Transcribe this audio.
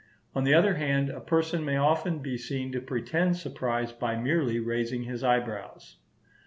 On the other hand, a person may often be seen to pretend surprise by merely raising his eyebrows.